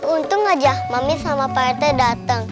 untung aja mami sama pak rete dateng